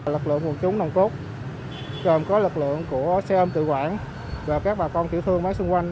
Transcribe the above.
lực lượng nông cốt gồm có lực lượng của xe ôm tự quản và các bà con tiểu thương máy xung quanh